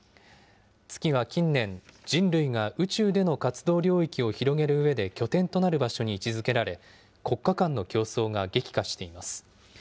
月は近年、人類が宇宙での活動領域を広げるうえで拠点となる場所に位置づけられ、国家間の競争が激化しています。